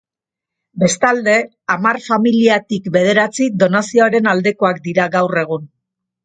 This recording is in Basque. Bestalde, hamar familiatik bederatzi donazioaren aldekoak dira gaur egun.